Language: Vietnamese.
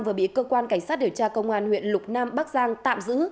vừa bị cơ quan cảnh sát điều tra công an huyện lục nam bắc giang tạm giữ